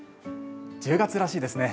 １０月らしいですね。